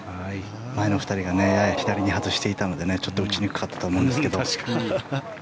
前の２人が左に外していたのでちょっと打ちにくかったと思いますが。